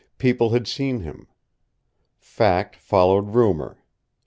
People had seen him. Fact followed rumor.